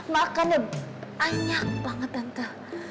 makannya banyak banget tante